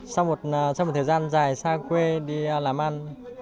sau một thời gian dài xa quê đi làm ăn